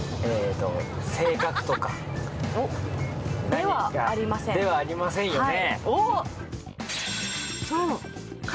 ではありませんよね。